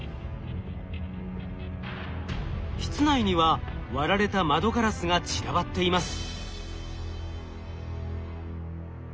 室内には割られた窓ガラスが散らばっています。